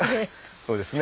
そうですね。